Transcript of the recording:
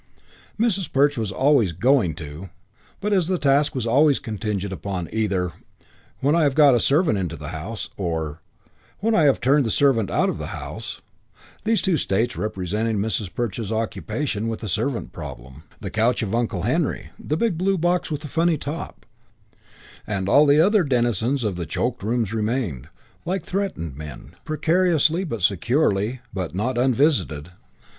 Mrs. Perch was always "going to", but as the task was always contingent upon either "when I have got a servant into the house", or "when I have turned the servant out of the house" these two states representing Mrs. Perch's occupation with the servant problem the couch of Uncle Henry, the big blue box with the funny top, and all the other denizens of the choked rooms remained, like threatened men, precariously but securely. But not unvisited!